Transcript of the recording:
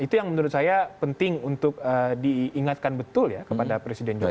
itu yang menurut saya penting untuk diingatkan betul ya kepada presiden jokowi